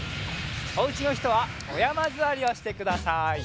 おうちのひとはおやまずわりをしてください。